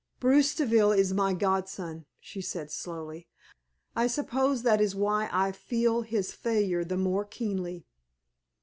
"Bruce Deville is my godson," she said, slowly. "I suppose that is why I feel his failure the more keenly."